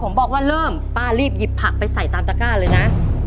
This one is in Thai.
ผมบอกว่าเริ่มป้ารีบหยิบผักไปใส่ตามตะก้าเลยนะ